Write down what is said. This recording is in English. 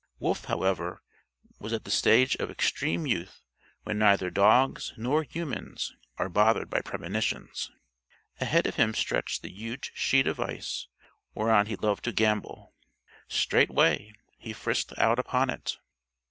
Wolf, however, was at the stage of extreme youth when neither dogs nor humans are bothered by premonitions. Ahead of him stretched the huge sheet of ice whereon he loved to gambol. Straightway he frisked out upon it.